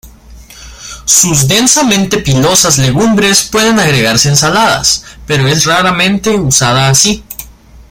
Sus densamente pilosas legumbres pueden agregarse a ensaladas, pero es raramente usada así.